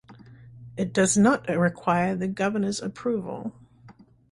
It does not require the governor's approval.